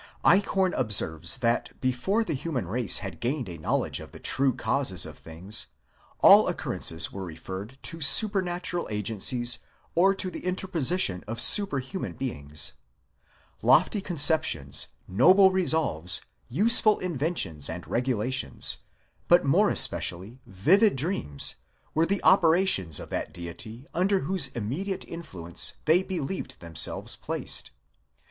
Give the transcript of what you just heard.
Eichhorn ob serves that before the human race had gained a knowledge of the true causes of things, all occurrences were referred to supernatural agencies, or to the interposition of superhuman beings. Lofty conceptions, noble resolves, use ful inventions and regulations, but more especially vivid dreams, were the operations of that Deity under whose immediate influence they believed themselves placed.